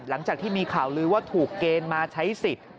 หลังจากที่มีข่าวลือว่าถูกเกณฑ์มาใช้สิทธิ์